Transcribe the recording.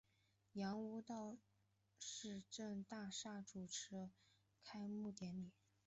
杨屋道市政大厦主持开幕典礼。